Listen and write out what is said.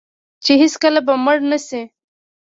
چې هیڅکله به مړ نشي.